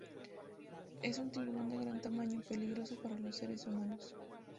Es un tiburón de gran tamaño, peligroso para los seres humanos.